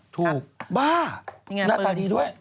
ถูกบ้าน่าตาดีด้วย